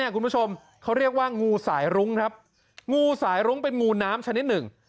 คุณผู้ชมเขาเรียกว่างูสายรุ้งครับงูสายรุ้งเป็นงูน้ำชนิดหนึ่ง